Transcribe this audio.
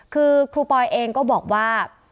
คือครูปอยเองก็บอกว่า